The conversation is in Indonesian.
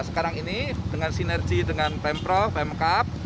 sekarang ini dengan sinergi dengan pemprov pemkap